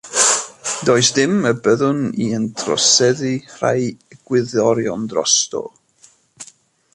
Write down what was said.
Does dim y byddwn i'n troseddu rhai egwyddorion drosto.